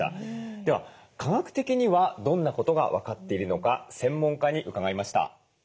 では科学的にはどんなことが分かっているのか専門家に伺いました。